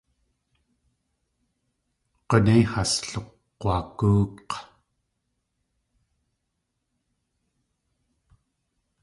G̲unéi has lukg̲wagóok̲.